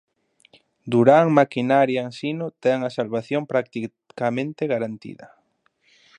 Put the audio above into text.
Durán Maquinaria Ensino ten a salvación practicamente garantida.